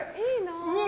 うわ